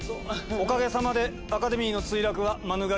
おかげさまでアカデミーの墜落は免れました。